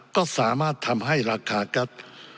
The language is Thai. ก็สามารถทำให้ราคาแก๊ส